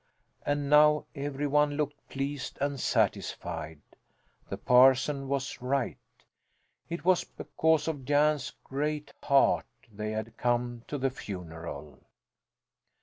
And now every one looked pleased and satisfied. The parson was right: it was because of Jan's great heart they had come to the funeral.